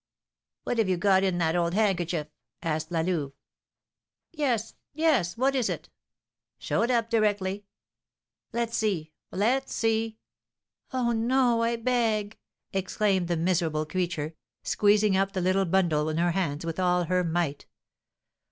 "What have you got in that old handkerchief?" asked La Louve. "Yes, yes! What is it?" "Show it up directly!" "Let's see! Let's see!" "Oh, no, I beg!" exclaimed the miserable creature, squeezing up the little bundle in her hands with all her might.